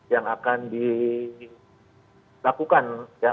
yang akan dilakukan